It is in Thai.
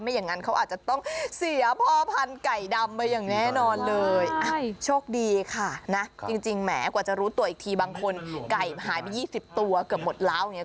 อย่างนั้นเขาอาจจะต้องเสียพ่อพันธุ์ไก่ดำไปอย่างแน่นอนเลยโชคดีค่ะนะจริงแหมกว่าจะรู้ตัวอีกทีบางคนไก่หายไป๒๐ตัวเกือบหมดแล้วเนี่ย